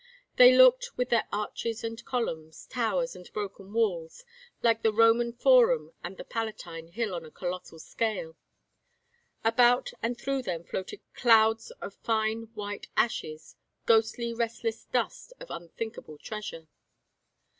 They looked, with their arches and columns, towers and broken walls, like the Roman Forum and the Palatine Hill on a colossal scale. About and through them floated clouds of fine white ashes, ghostly restless dust of unthinkable treasure.